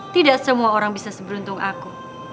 tidak semua orang bisa seberuntung aku